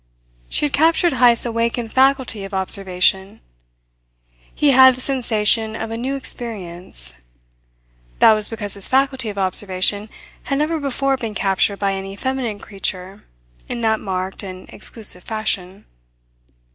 She had captured Heyst's awakened faculty of observation; he had the sensation of a new experience. That was because his faculty of observation had never before been captured by any feminine creature in that marked and exclusive fashion.